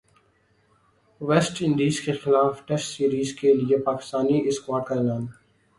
waste انڈیزکےخلاف test series کے لیےپاکستانی اسکواڈ کا اعلان